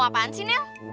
mau apaan sih nel